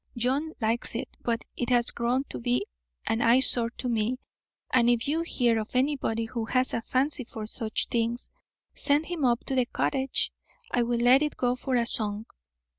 John likes it, but it has grown to be an eyesore to me, and if you hear of anybody who has a fancy for such things, send him up to the cottage. I will let it go for a song."